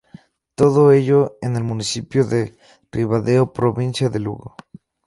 Todo ello en el municipio de Ribadeo, provincia de Lugo.